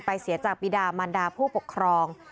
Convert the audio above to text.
เสียจากปีดามันดาผู้ปกครอง